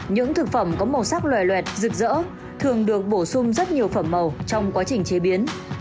những thực phẩm có màu sắc loài lẹt rực rỡ thường được bổ sung rất nhiều phẩm màu trong quá trình chế biến